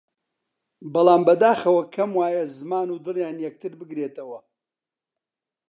بەڵام بەداخەوە کەم وایە زمان و دڵیان یەکتر بگرێتەوە!